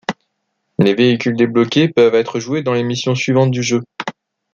Les véhicules débloqués peuvent être joués dans les missions suivantes du jeu.